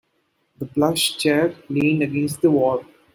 The plush chair leaned against the wall.